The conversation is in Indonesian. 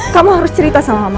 kamu harus cerita sama kamu